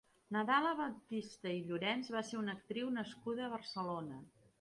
Nadala Batiste i Llorens va ser una actriu nascuda a Barcelona.